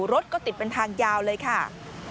รถก็ติดเป็นทางยาวเลยค่ะ